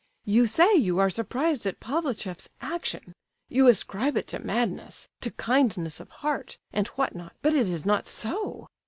You say you are surprised at Pavlicheff's action; you ascribe it to madness, to kindness of heart, and what not, but it is not so.